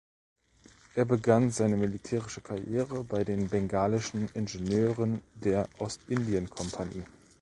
Er begann seine militärische Karriere bei den bengalischen Ingenieuren der Ostindienkompanie.